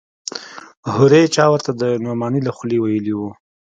هورې چا ورته د نعماني له خولې ويلي و.